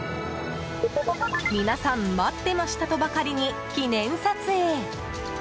皆さん待ってました！とばかりに記念撮影。